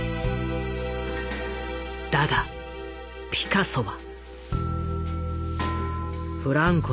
だがピカソは。